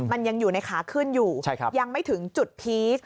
มันยังอยู่ในขาขึ้นอยู่ยังไม่ถึงจุดพีช